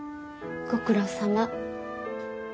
ご苦労さま。